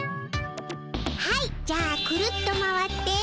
はいじゃあくるっと回って。